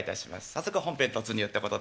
早速本編突入ってことで。